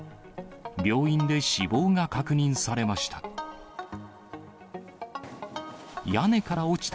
病院で死亡が確認されました。